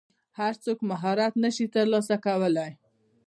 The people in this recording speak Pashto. هر څوک مهارت نشي ترلاسه کولی.